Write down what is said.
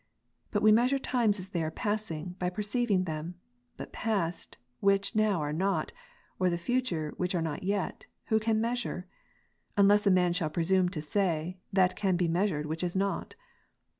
But we measure times as they are passing, by perceiving them ; but past, which now are not, or the future, which are not yet, who can measure ? unless a man shall presume to say, that can be measured, which is not.